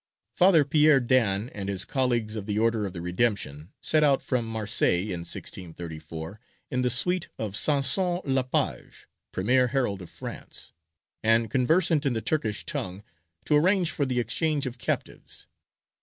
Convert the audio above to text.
Father Pierre Dan and his colleagues of the Order of the Redemption set out from Marseilles, in 1634, in the suite of Sanson le Page, premier herald of France, and conversant in the Turkish tongue, to arrange for the exchange of captives.